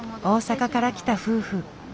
大阪から来た夫婦。